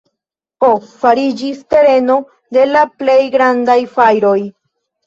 P. fariĝis tereno de la plej grandaj fajroj.